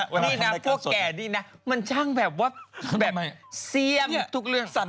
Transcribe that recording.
พี่น่ะพวกแก่นี่น่ะมันช่างแบบว่าแบบเสียงทุกเรื่อง